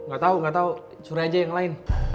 gak tau gak tau suruh aja yang lain